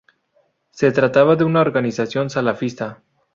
Se trataba de una organización salafista.